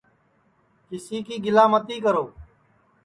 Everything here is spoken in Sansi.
کِسی کی گِلا متی کرو